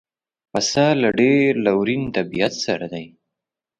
پسه له ډېر لورین طبیعت سره دی.